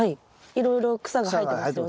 いろいろ草が生えてますよね。